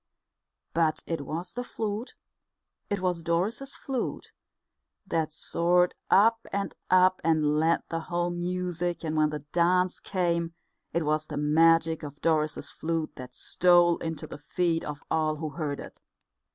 But it was the flute, it was Doris's flute, that soared up and up and led the whole music; and when the dance came, it was the magic of Doris's flute that stole into the feet of all who heard it.